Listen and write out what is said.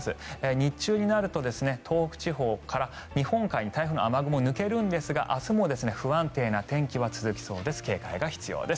日中になると東北地方から日本海に台風の雨雲が抜けるんですが明日も不安定な天気は続きそうです。